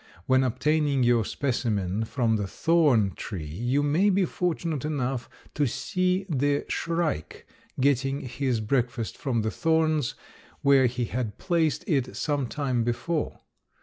When obtaining your specimen from the thorn tree you may be fortunate enough to see the shrike getting his breakfast from the thorns where he had placed it some time before.